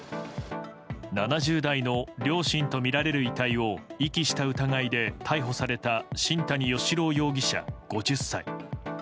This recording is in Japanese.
７０代の両親とみられる遺体を遺棄した疑いで逮捕された新谷嘉朗容疑者、５０歳。